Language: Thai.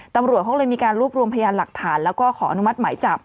ตำรวจเขาเลยมีการรวบรวมพยานหลักฐานแล้วก็ขออนุมัติหมายจับ